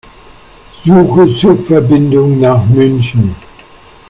Suche Zugverbindungen nach München.